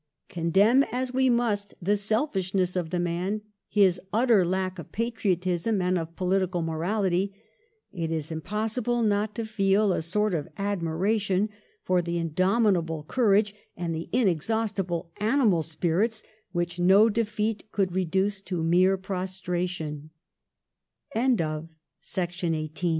Condemn as we must the selfishness of the man, his utter lack of patriotism, and of political morality, it is impossible not to feel a sort of admiration for the indomitable courage and the inexhaustible animal spirits which no defeat could reduce to